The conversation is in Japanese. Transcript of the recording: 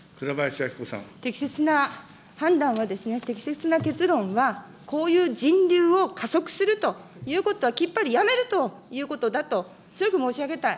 適切な判断はですね、適切な結論は、こういう人流を加速するということは、きっぱりやめるということだと、強く申し上げたい。